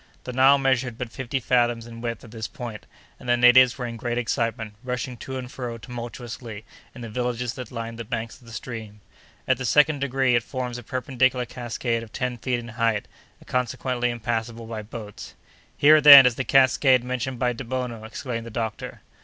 The Nile measured but fifty fathoms in width at this point, and the natives were in great excitement, rushing to and fro, tumultuously, in the villages that lined the banks of the stream. At the second degree it forms a perpendicular cascade of ten feet in height, and consequently impassable by boats. "Here, then, is the cascade mentioned by Debono!" exclaimed the doctor.